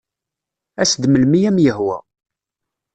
As-d melmi ay am-yehwa.